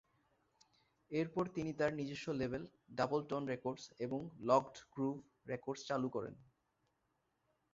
এরপর তিনি তার নিজস্ব লেবেল, ডাবলটন রেকর্ডস এবং লকড গ্রুভ রেকর্ডস চালু করেন।